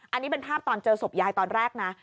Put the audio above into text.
อันนี้เป็นภาพตอนเจอศพยายตอนแรกนะ